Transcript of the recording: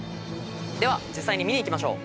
では実際に見に行きましょう。